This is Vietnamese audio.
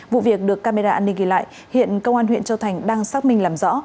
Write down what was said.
vụ việc được camera an ninh ghi lại hiện công an huyện châu thành đang xác minh làm rõ